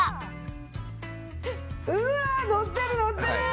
うわ乗ってる乗ってる！